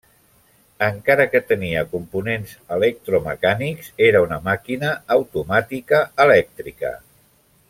Encara que tenia components electromecànics era una màquina automàtica elèctrica.